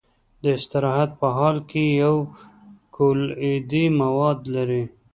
د استراحت په حال کې یو نوکلوئیدي مواد لري.